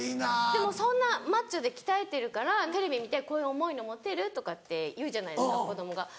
でもそんなマッチョで鍛えてるからテレビ見て「こういう重いの持てる？」とかって言うじゃないですか子供が。